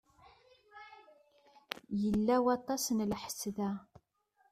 Yella waṭas n lḥess da.